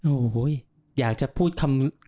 โอ้โหอยากจะพูดคำ